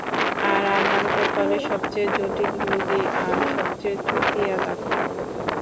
আর আমার কপালে সবচেয়ে জটিল রোগী আর সবচেয়ে চুতিয়া ডাক্তার!